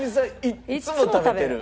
いつも食べてる。